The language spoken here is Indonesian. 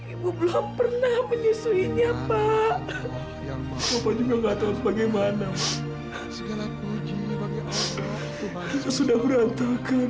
ibu belum pernah menyusuinya pak